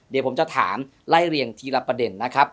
เดี๋ยวผมจะถามไล่เรียงทีละประเด็นนะครับ